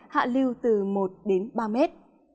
hạ lưu từ một đến ba mét